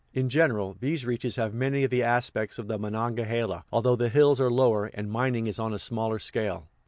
In general, these reaches have many of the aspects of the Monongahela, although the hills are lower, and mining is on a smaller scale.